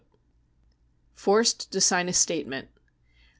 Forced to sign a Statement.